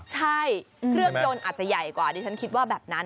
ใช่เครื่องยนต์อาจจะใหญ่กว่าดิฉันคิดว่าแบบนั้น